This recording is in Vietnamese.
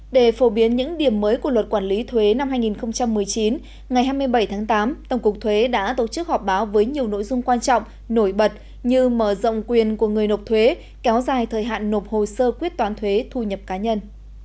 để phổ biến những điểm mới của luật quản lý thuế năm hai nghìn một mươi chín ngày hai mươi bảy tháng tám tổng cục thuế đã tổ chức họp báo với nhiều nội dung quan trọng nổi bật như mở rộng quyền của người nộp thuế kéo dài thời hạn nộp hồ sơ quyết toán thuế thu nhập cá nhân